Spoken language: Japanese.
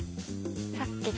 さっき。